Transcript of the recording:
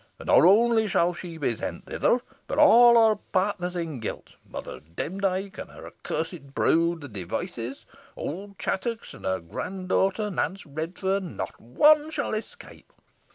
And not only shall she be sent thither, but all her partners in guilt Mother Demdike and her accursed brood, the Devices; old Chattox and her grand daughter, Nance Redferne: not one shall escape."